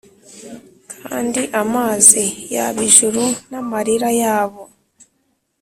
kandi amazi yaba ijuru n'amarira yabo: